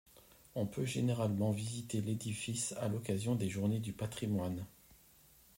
On peut généralement visiter l'édifice à l'occasion des Journées du Patrimoine.